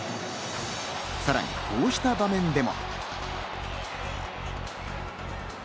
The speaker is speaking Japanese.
さらに、こうした場面でも。